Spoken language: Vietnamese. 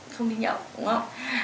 không đi nhậu đúng không